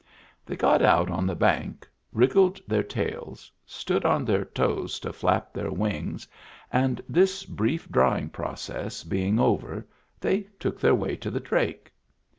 They got out on the bank, wiggled their tails, stood on their toes to flap their wings, and, this brief drying process being over, they took their way to the drake.